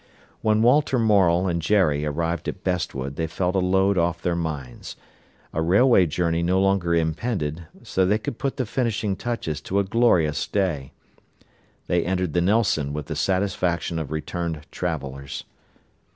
When Walter Morel and Jerry arrived at Bestwood they felt a load off their minds; a railway journey no longer impended, so they could put the finishing touches to a glorious day. They entered the Nelson with the satisfaction of returned travellers.